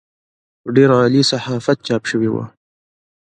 په ډېر عالي صحافت چاپ شوې وه.